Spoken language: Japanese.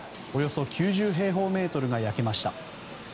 およそ９０平方メートルが焼けました。